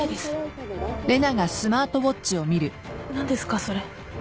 何ですかそれ？